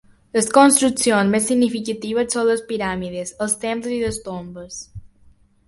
Les construccions més significatives són les piràmides, els temples i les tombes.